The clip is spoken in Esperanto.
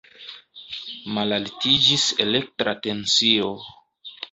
Malaltiĝis elektra tensio.